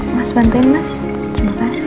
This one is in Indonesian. mas banteng mas terima kasih